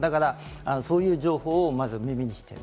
そういう情報を耳にしている。